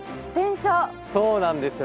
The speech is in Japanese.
そうなんですよ